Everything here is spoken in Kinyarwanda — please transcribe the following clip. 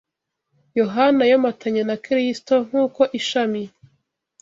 Yohana yomatanye na Kristo nk’uko ishami